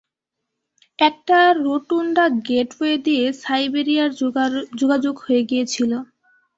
একটা rotunda gateway দিয়ে সাইবেরিয়ার যোগাযোগ হয়ে গিয়েছিল।